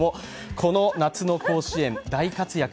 この夏の甲子園、大活躍。